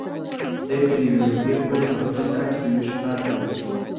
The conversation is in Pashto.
دی تر یوې مودې پورې په خپل کټ کې ویښ پاتې و.